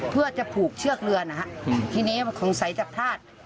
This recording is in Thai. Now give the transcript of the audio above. เพื่อจะผูกเชือกเรือนะฮะทีนี้สงสัยจะพลาด